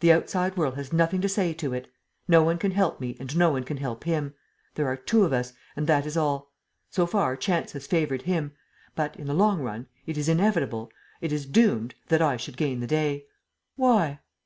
The outside world has nothing to say to it. No one can help me and no one can help him. There are two of us; and that is all. So far, chance has favored him. But, in the long run, it is inevitable, it is doomed that I should gain the day." "Why?"